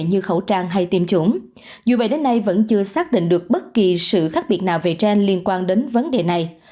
như khẩu trang hay tiêm chủng dù vậy đến nay vẫn chưa xác định được bất kỳ sự khác biệt nào về trên liên quan đến vấn đề này